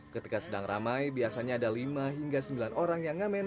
ketika sedang ramai biasanya ada lima hingga sembilan orang yang ngamen